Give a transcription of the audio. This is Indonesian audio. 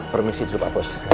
permisi duduk apos